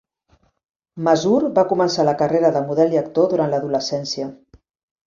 Mazur va començar la carrera de model i actor durant l'adolescència.